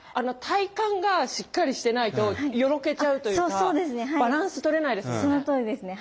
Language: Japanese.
体幹がしっかりしてないとよろけちゃうというかバランス取れないですよね。